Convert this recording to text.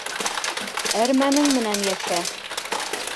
Әрмәнең менән йәшә!